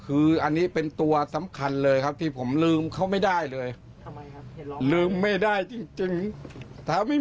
คงจะมีชีวิตผมไม่รู้ต่อไป